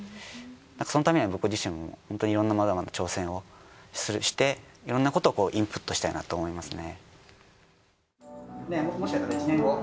そのためには僕自身もホントにいろんなまだまだ挑戦をしていろんなことをインプットしたいなと思いますね。